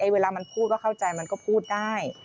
เวลามันพูดก็เข้าใจมันก็พูดได้